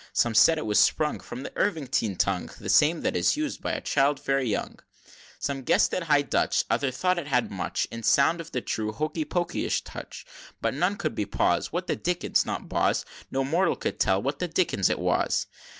Some held it was sprung From the Irvingite tongue, The same that is used by a child very young. XXIX. Some guess'd it high Dutch, Others thought it had much In sound of the true Hoky poky ish touch; But none could be poz, What the Dickins! (not Boz) No mortal could tell what the Dickins it was!